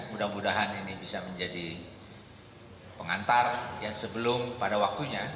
mudah mudahan ini bisa menjadi pengantar yang sebelum pada waktunya